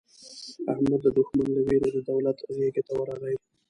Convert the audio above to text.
احمد د دوښمن له وېرې د دولت غېږې ته ورغی.